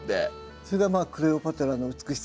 それがまあクレオパトラの美しさ。